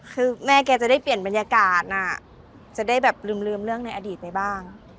คือแม่แกจะได้เปลี่ยนบรรยากาศจะได้แบบลืมเรื่องในอดีตไปบ้าง